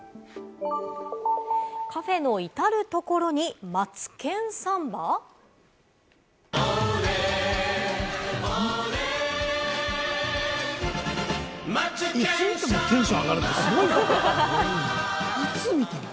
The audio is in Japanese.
カフェの至る所にマツケンサいつ見てもテンション上がるってすごくない？